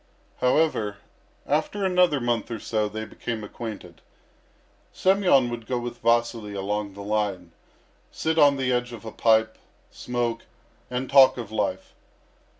However, after another month or so they became acquainted. Semyon would go with Vasily along the line, sit on the edge of a pipe, smoke, and talk of life.